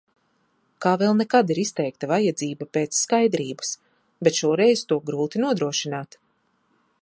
Kā vēl nekad, ir izteikta vajadzība pēc skaidrības. Bet šoreiz to grūti nodrošināt.